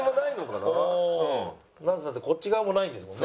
なんせだってこっち側もないんですもんね。